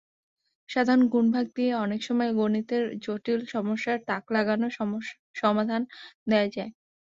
সাধারণ গুণ-ভাগ দিয়ে অনেক সময় গণিতের জটিল সমস্যার তাক লাগানো সমাধান দেওয়া যায়।